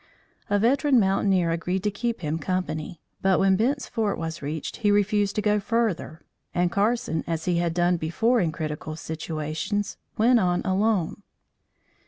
A veteran mountaineer agreed to keep him company, but, when Bent's Fort was reached he refused to go further, and Carson, as he had often done before in critical situations, went on alone.